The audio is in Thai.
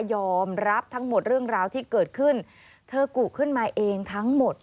ยอมรับทั้งหมดเรื่องราวที่เกิดขึ้นเธอกุขึ้นมาเองทั้งหมด